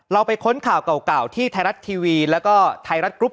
ไปค้นข่าวเก่าที่ไทยรัฐทีวีแล้วก็ไทยรัฐกรุ๊ป